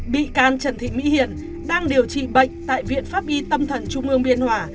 bị can trần thị mỹ hiện đang điều trị bệnh tại viện pháp y tâm thần trung ương biên hòa